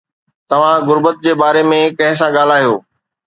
توهان غربت جي باري ۾ ڪنهن سان ڳالهايو؟